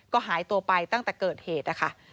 ก็หายตัวไปตั้งแต่เกิดเหตุนะคะ